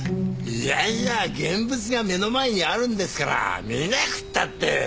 いやいや現物が目の前にあるんですから見なくったって。